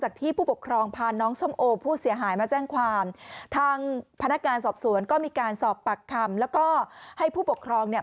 ก็มีการสอบปากคำแล้วก็ให้ผู้ปกครองเนี่ย